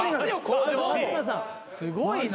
すごいな。